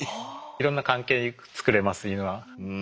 いろんな関係作れますイヌは。